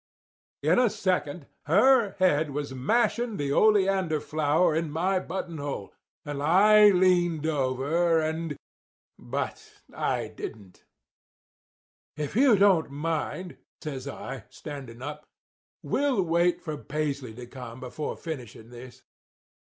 In a second her head was mashing the oleander flower in my button hole, and I leaned over and—but I didn't. "'If you don't mind,' says I, standing up, 'we'll wait for Paisley to come before finishing this.